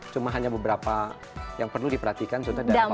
cuma hanya beberapa yang perlu diperhatikan contohnya daerah papua